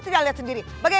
adak ken conos ya